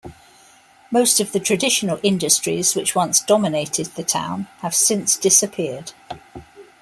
Most of the traditional industries which once dominated the town have since disappeared.